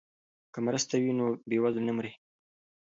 که مرسته وي نو بیوزله نه مري.